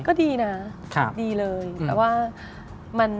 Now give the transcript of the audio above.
ก็ดีนะดีเลยแต่ว่ามัน